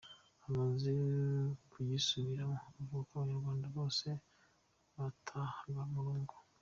Amaze kugisubiramo, avuga ko abanyarwanda bose batahaga mu ngo.